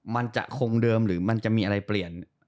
มันจะคงเดิมหรือมันจะมีอะไรเปลี่ยน